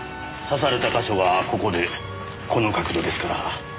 刺された箇所がここでこの角度ですから。